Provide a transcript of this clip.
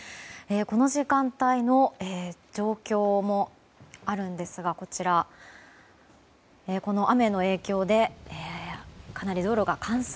この時間帯の状況もあるんですがこの雨の影響でかなり道路が冠水。